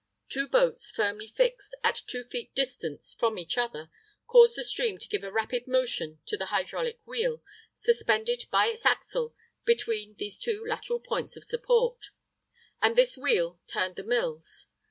Two boats firmly fixed, at two feet distance from each other, caused the stream to give a rapid motion to the hydraulic wheel, suspended by its axle between these lateral points of support; and this wheel turned the mills.